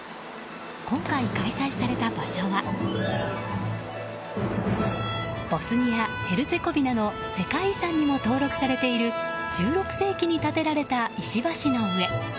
今回、開催された場所はボスニア・ヘルツェゴビナの世界遺産にも登録されている１６世紀に建てられた石橋の上。